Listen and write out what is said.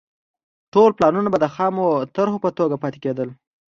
ټول پلانونه به د خامو طرحو په توګه پاتې کېدل